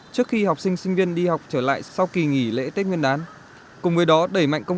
trước khi học sinh sinh viên đi học trở lại sau kỳ nghỉ lễ tết nguyên đán